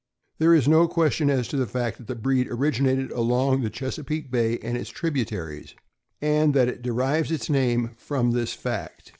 There is no question as to the fact that the breed originated along the Chesapeake Bay and its tributaries, and that it derives its name from this fact.